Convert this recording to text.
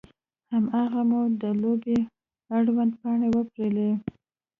هماغلته مو د لوبې اړوند پاڼې وپیرلې.